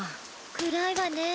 暗いわね。